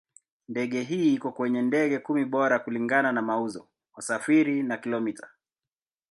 Ndege hii iko kwenye ndege kumi bora kulingana na mauzo, wasafiri na kilomita.